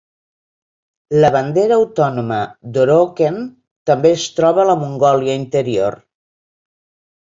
La bandera autònoma d'Oroqen també es troba a la Mongòlia Interior.